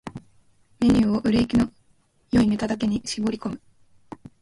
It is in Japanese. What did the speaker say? ⅱ メニューを売れ行きの良いネタだけに絞り込む